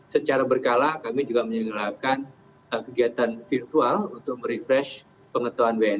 secara berkala kami juga menyerahkan kegiatan virtual untuk merefresh pengetahuan wni